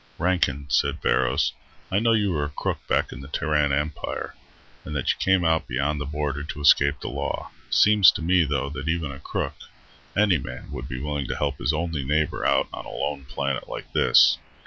"Rankin," said Barrows, "I know you were a crook back in the Terran Empire, and that you came out beyond the border to escape the law. Seems to me, though, that even a crook, any man, would be willing to help his only neighbor out on a lone planet like this.